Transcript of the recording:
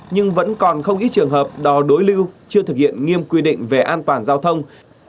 nhưng vẫn còn không ít trường hợp đò đối lưu chưa thực hiện nghiêm quy định về an toàn giao thông